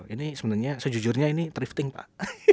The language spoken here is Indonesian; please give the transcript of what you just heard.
ini sebenarnya sejujurnya ini thrifting pak